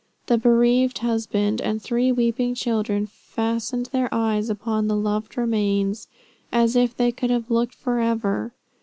The bereaved husband and three weeping children fastened their eyes upon the loved remains, as if they could have looked forever."